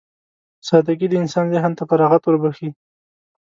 سادهګي د انسان ذهن ته فراغت وربښي.